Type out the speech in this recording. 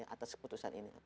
atas keputusan ini